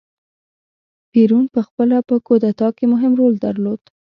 پېرون په خپله په کودتا کې مهم رول درلود.